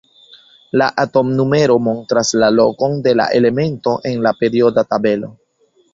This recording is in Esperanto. La atomnumero montras la lokon de la elemento en la perioda tabelo.